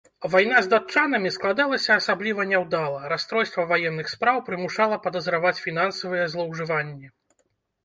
Вайна з датчанамі складалася асабліва няўдала, расстройства ваенных спраў прымушала падазраваць фінансавыя злоўжыванні.